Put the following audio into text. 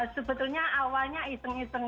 sebetulnya awalnya iseng iseng